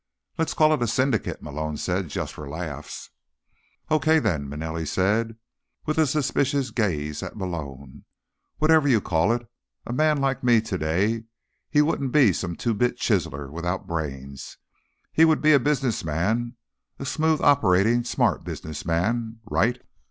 "Let's call it a syndicate," Malone said. "Just for laughs." "Okay, then," Manelli said, with a suspicious gaze at Malone. "Whatever you call it, a man like me today, he wouldn't be some two bit chiseler without brains. He would be a businessman, a smooth operating smart businessman. Right?"